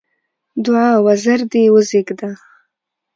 دوعا: وزر دې وزېږده!